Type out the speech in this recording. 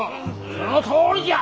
そのとおりじゃ！